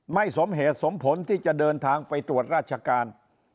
สมเหตุสมผลที่จะเดินทางไปตรวจราชการ